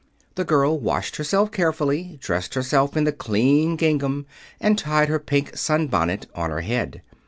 The girl washed herself carefully, dressed herself in the clean gingham, and tied her pink sunbonnet on her head.